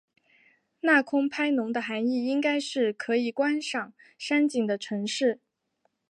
那空拍侬的涵义应该是可以观赏山景的城市。